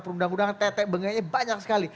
perundang undangan tetek bengenya banyak sekali